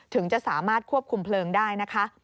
ถึงจะสามารถควบคุมเพลิงได้นะคะ